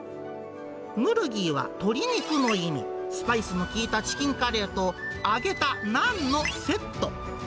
ムルギーは鶏肉の意味、スパイスの効いたチキンカレーと揚げたナンのセット。